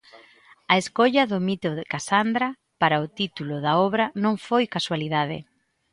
A escolla do mito de Casandra para o título da obra non foi casualidade.